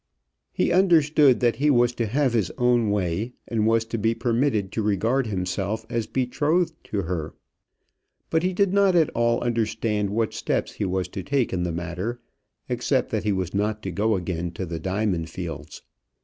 He understood that he was to have his own way, and was to be permitted to regard himself as betrothed to her, but he did not at all understand what steps he was to take in the matter, except that he was not to go again to the diamond fields.